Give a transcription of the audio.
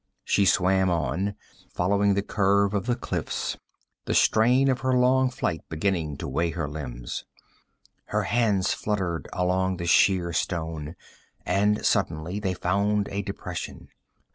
She swam on, following the curve of the cliffs, the strain of her long flight beginning to weight her limbs. Her hands fluttered along the sheer stone, and suddenly they found a depression.